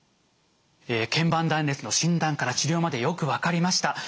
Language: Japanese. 腱板断裂の診断から治療までよく分かりました。